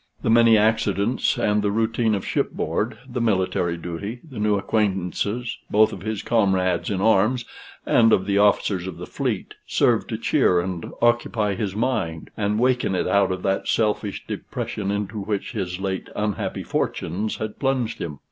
The many accidents, and the routine of shipboard the military duty the new acquaintances, both of his comrades in arms, and of the officers of the fleet served to cheer and occupy his mind, and waken it out of that selfish depression into which his late unhappy fortunes had plunged him.